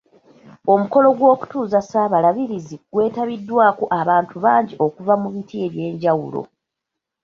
Omukolo gw'okutuuza Ssaabalabirizi gwetabiddwako abantu bangi okuva mu biti eby'enjawulo.